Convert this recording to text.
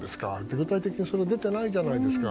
具体的に出てないじゃないですか。